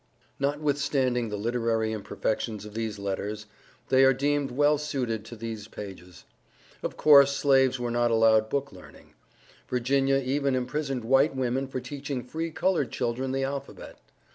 Notwithstanding the literary imperfections of these letters, they are deemed well suited to these pages. Of course, slaves were not allowed book learning. Virginia even imprisoned white women for teaching free colored children the alphabet.